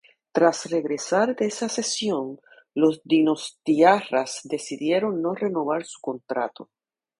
Tras regresar de esa cesión, los donostiarras decidieron no renovar su contrato.